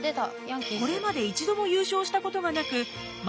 これまで一度も優勝したことがなく万年Ｂクラス。